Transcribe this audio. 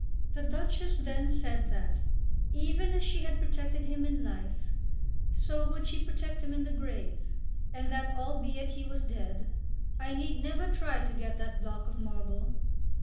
The Duchess then said that, even as she had protected him in life, so would she protect him in the grave, and that albeit he was dead, I need never try to get that block of marble.